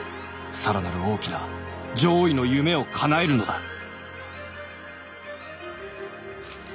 更なる大きな攘夷の夢をかなえるのだ！」。